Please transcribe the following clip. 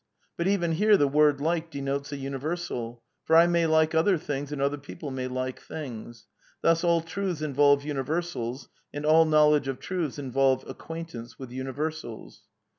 But even here the word 'like' denotes a universal, for I may like other thing? and other people may like things. Thus all truths involve univer \^ sals, and all knowledge of truths involves acquaintance witlr^'x universals."